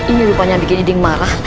ini rupanya bikin iding marah